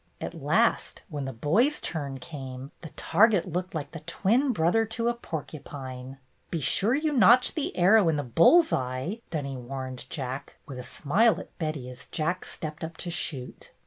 At last, when the boys' turn came, the target looked like the twin brother to a porcupine. " Be sure you notch the arrow in the bull's eye," Dunny warned Jack, with a smile at Betty as Jack stepped up to shoot.